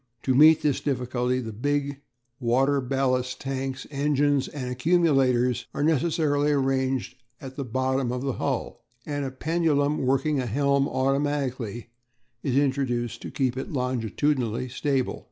To meet this difficulty the big water ballast tanks, engines and accumulators are necessarily arranged at the bottom of the hull, and a pendulum working a helm automatically is introduced to keep it longitudinally stable.